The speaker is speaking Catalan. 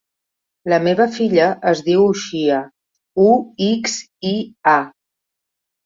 La meva filla es diu Uxia: u, ics, i, a.